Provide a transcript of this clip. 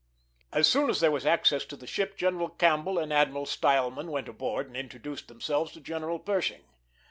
As soon as there was access to the ship General Campbell and Admiral Stileman went aboard and introduced themselves to General Pershing.